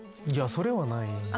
それはないです。